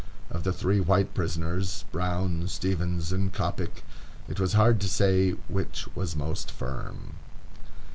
Of the three white prisoners, Brown, Stephens, and Coppoc, it was hard to say which was most firm...."